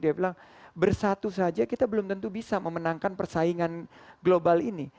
dia bilang bersatu saja kita belum tentu bisa memenangkan persaingan global ini